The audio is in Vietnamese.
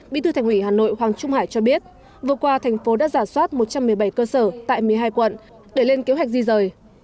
bí thư thành ủy hà nội hoàng trung hải cho biết vừa qua thành phố đã giả soát một trăm một mươi bảy cơ sở tại một mươi hai quận để lên kế hoạch di rời